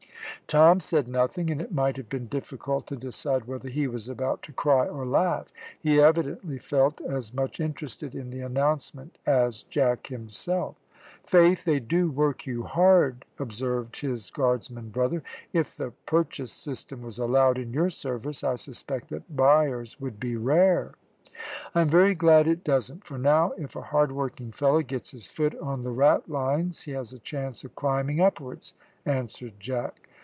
Tom said nothing, and it might have been difficult to decide whether he was about to cry or laugh. He evidently felt as much interested in the announcement as Jack himself. "Faith, they do work you hard," observed his guardsman brother. "If the purchase system was allowed in your service I suspect that buyers would be rare." "I am very glad it doesn't; for now, if a hardworking fellow gets his foot on the ratlines he has a chance of climbing upwards," answered Jack.